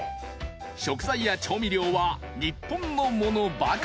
［食材や調味料は日本の物ばかり］